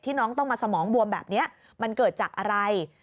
น้องต้องมาสมองบวมแบบนี้มันเกิดจากอะไร